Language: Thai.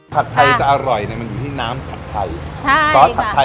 พัดไทยจะอร่อยมันอยู่ที่น้ำผัดไทย